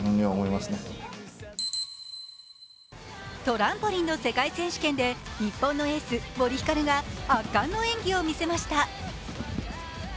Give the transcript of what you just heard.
トランポリンの世界選手権で日本のエース、森ひかるが圧巻の演技を見せました。